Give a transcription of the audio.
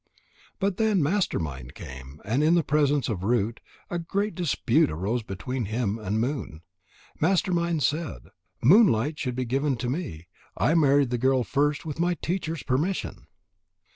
But then Master mind came, and in the presence of Root, a great dispute arose between him and Moon. Master mind said: "Moonlight should be given to me. I married the girl first with my teacher's permission."